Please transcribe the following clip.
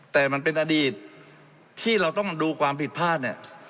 แต่มันเป็นอดีตที่เราต้องดูความผิดพลาดเนี่ย